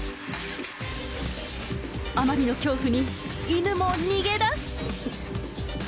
あまりの恐怖に、犬も逃げ出す。